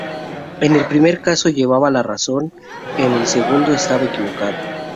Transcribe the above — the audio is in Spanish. En el primer caso llevaba la razón, en el segundo estaba equivocado.